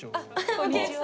こんにちは。